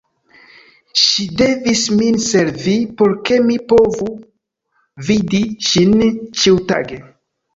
Ŝi devis min servi, por ke mi povu vidi ŝin ĉiutage.